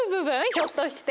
ひょっとして。